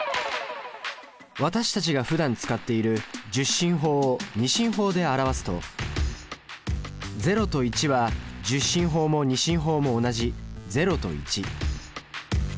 私たちがふだん使っている１０進法を２進法で表すと０と１は１０進法も２進法も同じ０と１。